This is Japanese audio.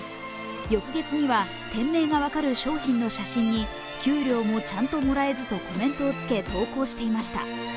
翌月には店名が分かる商品の写真に給料もちゃんともらえずとコメントをつけ、投稿していました